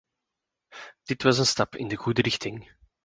Dit was een stap in de goede richting.